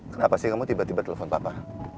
kenapa sih kamu tiba tiba telepon papa